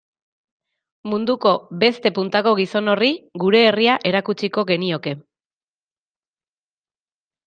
Munduko beste puntako gizon horri gure herria erakutsiko genioke.